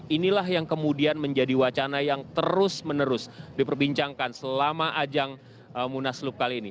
inilah yang kemudian menjadi wacana yang terus menerus diperbincangkan selama ajang munaslup kali ini